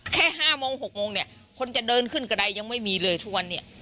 แค่๕โมง๖โมงเนี่ยคนจะเดินขึ้นกระดายยังไม่มีเลยทุกวันนี้